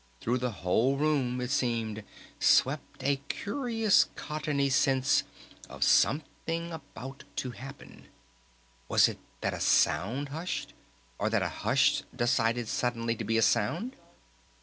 Through the whole room, it seemed, swept a curious cottony sense of Something About to Happen! Was it that a sound hushed? Or that a hush decided suddenly to be a sound?